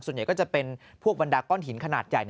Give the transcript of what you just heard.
ส่วนใหญ่ก็จะเป็นพวกบรรดาก้อนหินขนาดใหญ่